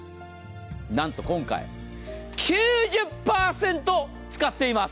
なんと今回、９０％使っています。